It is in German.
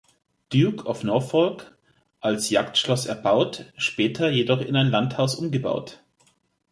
Duke of Norfolk, als Jagdschloss erbaut, später jedoch in ein Landhaus umgebaut.